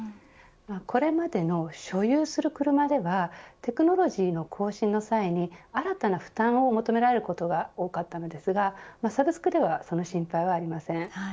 これまでの所有する車ではテクノロジーの更新の際に新たな負担を求められることが多かったのですがサブスクではその心配はありません。